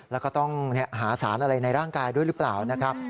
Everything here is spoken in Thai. แล้วก็ต้องหาสารอะไรในร่างกายด้วยหรือเปล่านะครับ